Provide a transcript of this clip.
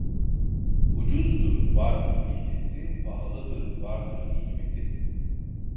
Ucuzdur vardır illeti, pahalıdır vardır hikmeti.